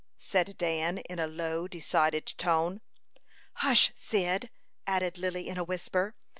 said Dan, in a low, decided tone. "Hush, Cyd!" added Lily, in a whisper.